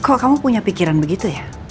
kok kamu punya pikiran begitu ya